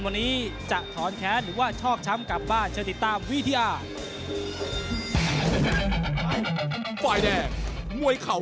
วันนี้จะถอนแค้นหรือว่าชอบช้ำกลับบ้านเชิญติดตามวิทยา